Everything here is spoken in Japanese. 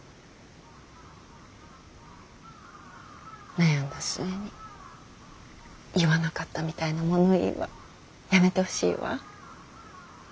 悩んだ末に言わなかったみたいな物言いはやめてほしいわ。